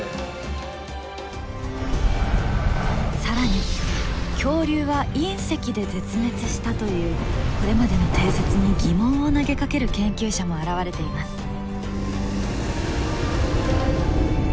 更に恐竜は隕石で絶滅したというこれまでの定説に疑問を投げかける研究者も現れています。